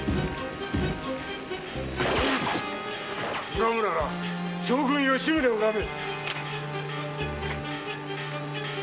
恨むなら将軍・吉宗を恨め！